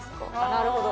なるほど。